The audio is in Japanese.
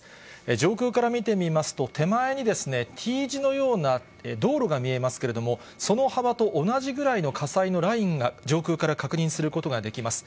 上空から見てみますと、手前にＴ字のような道路が見えますけれども、その幅と同じくらいの火災のラインが上空から確認することができます。